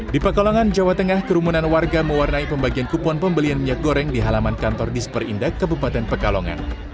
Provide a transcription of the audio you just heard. di pakalongan jawa tengah kerumunan warga mewarnai pembagian kupon pembelian minyak goreng di halaman kantor disper indah kebupatan pakalongan